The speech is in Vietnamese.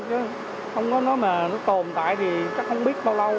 chứ không có nó mà tồn tại thì chắc không biết bao lâu